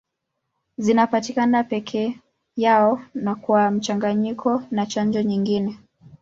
Zinapatikana peke yao na kwa mchanganyiko na chanjo nyingine.